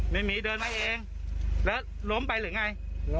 ลูกชายแจ้งตำรวจและกู้ภัย